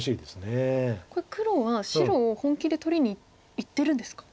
これ黒は白を本気で取りにいってるんですか。